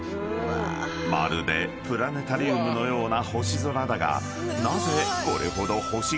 ［まるでプラネタリウムのような星空だが］